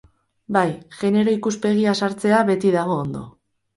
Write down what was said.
Bai, genero ikuspegia sartzea beti dago ondo.